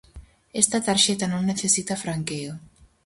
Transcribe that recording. Esta tarxeta non necesita franqueo.